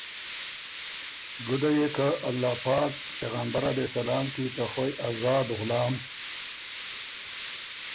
ګُده يې که الله پاک پېغمبر علیه سلام کی ته خوئ آزاد غلام